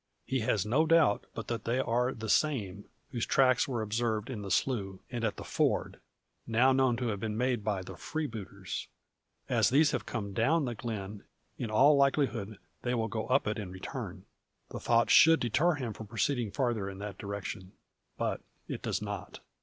He has no doubt, but that they are the same, whose tracks were observed in the slough, and at the ford now known to have been made by the freebooters. As these have come down the glen, in all likelihood they will go up it in return. The thought should deter him from proceeding farther in that direction. But it does not.